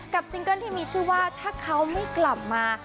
ซิงเกิ้ลที่มีชื่อว่าถ้าเขาไม่กลับมา